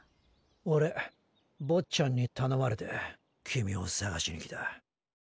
オレ坊っちゃんに頼まれて君を捜しに来た。